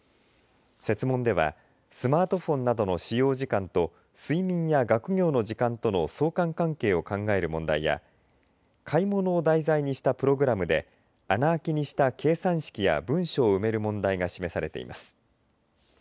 設問ではスマートフォンなどの使用時間と睡眠や学業の時間との相関関係を考える問題や買い物を題材にしたプログラムで穴あきにした計算式や文章を埋める問題が示されています。